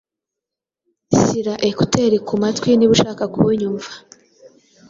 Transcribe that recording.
Shyira ekuteri ku matwi niba ushaka kunyumva